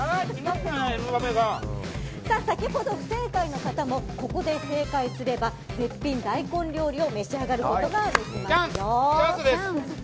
先ほど、不正解の方もここで正解すれば絶品大根料理を召し上がることができますよ。